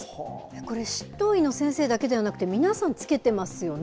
これ、執刀医の先生だけでなくて、皆さん、着けてますよね。